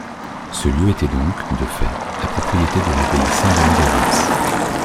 Ce lieu était donc, de fait, la propriété de l'abbaye Saint-Rémi de Reims.